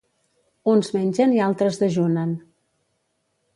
Uns mengen i altres dejunen.